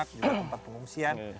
juga tempat pengungsian